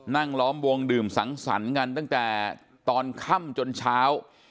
ล้อมวงดื่มสังสรรค์กันตั้งแต่ตอนค่ำจนเช้า